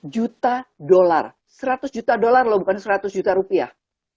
seratus juta dolar seratus juta dollar bukan seratus juta rupiah